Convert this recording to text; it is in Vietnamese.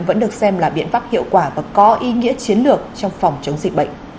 vẫn được xem là biện pháp hiệu quả và có ý nghĩa chiến lược trong phòng chống dịch bệnh